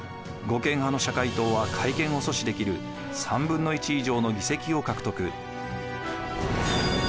護憲派の社会党は改憲を阻止できる３分の１以上の議席を獲得。